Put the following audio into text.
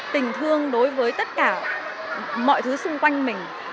tình thương đối với tất cả mọi thứ xung quanh mình